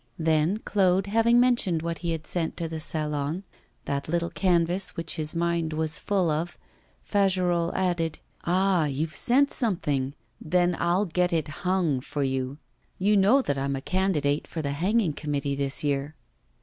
Then, Claude having mentioned what he had sent to the Salon that little canvas which his mind was full of Fagerolles added: 'Ah! you've sent something; then I'll get it "hung" for you. You know that I'm a candidate for the hanging committee this year.